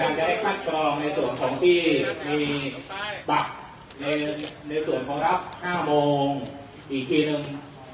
อ่ะในส่วนของพี่ในส่วนของรับห้าโมงอีกทีหนึ่ง